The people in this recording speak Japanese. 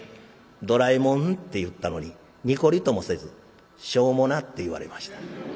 「ドラえもん」って言ったのにニコリともせず「しょうもな」って言われました。